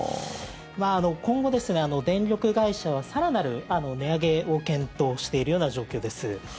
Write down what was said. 今後、電力会社は更なる値上げを検討しているような状況です。